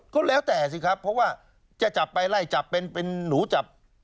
ก็แล้วแต่สิครับเพราะว่าจะจับไปไล่จับเป็นเป็นหนูจับ